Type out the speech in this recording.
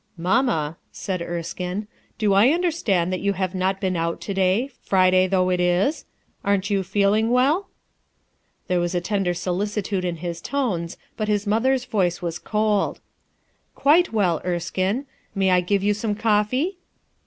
'* "Mamma/' said Erskine. "Do I understand that you have not been out, to day, Friday, though it is? Aren't you feeling well?" There was tender solicitude in Ms tones, but his mother's voice was cold. "Quite well, Erskine May I give you some coffee?'